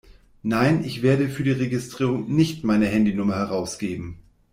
Nein, ich werde für die Registrierung nicht meine Handynummer herausgeben!